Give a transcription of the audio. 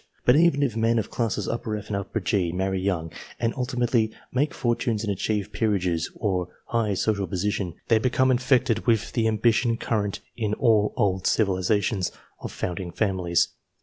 But even if men of classes F and G marry young, and ultimately make fortunes and achieve peerages or high social position, they become infected with the ambition current in all old civilizations, of founding families.